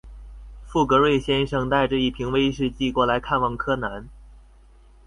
富格瑞先生带着一瓶威士忌过来看望柯南。